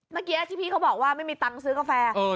เมื่อกี้ที่พี่เขาบอกว่าไม่มีตังค์ซื้อกาแฟ